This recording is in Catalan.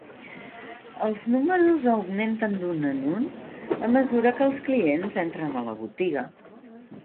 Els números augmenten d'un en un a mesura que els clients entren a la botiga.